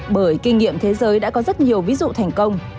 bởi kinh nghiệm thế giới đã có rất nhiều ví dụ thành công